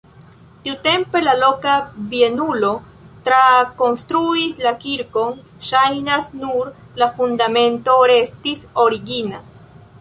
Tiutempe la loka bienulo trakonstruis la kirkon, ŝajnas, nur la fundamento restis origina.